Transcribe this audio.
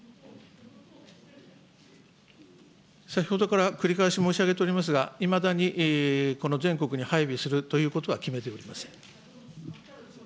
先ほどから繰り返し申し上げておりますが、いまだにこの全国に配備するということは決めておりません。